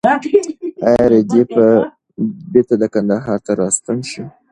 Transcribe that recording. ایا رېدی به بېرته کندهار ته راستون شي؟